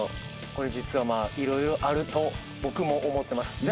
これ実はまぁいろいろあると僕も思ってます。